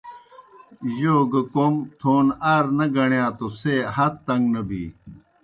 جوْ گہ کوْم تھون عار نہ گݨِیا توْ څھے ہت تݩگ نہ بِی۔